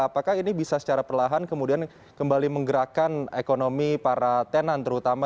apakah ini bisa secara perlahan kemudian kembali menggerakkan ekonomi para tenan terutama